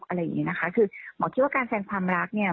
อะไรอย่างนี้นะคะคือหมอคิดว่าการแซงความรักเนี่ย